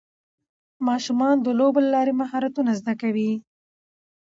ماشومان د لوبو له لارې مهارتونه زده کوي